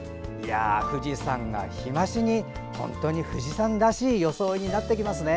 富士山が日増しに本当に富士山らしい装いになってきますね。